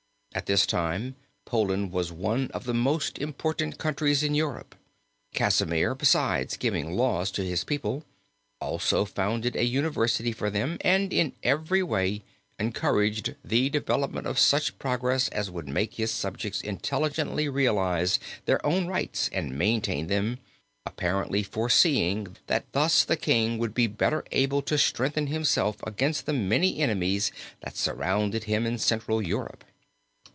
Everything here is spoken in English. At this time Poland was one of the most important countries in Europe. Casimir, besides giving laws to his people, also founded a university for them and in every way encouraged the development of such progress as would make his subjects intelligently realize their own rights and maintain them, apparently foreseeing that thus the King would be better able to strengthen himself against the many enemies that surrounded him in central Europe.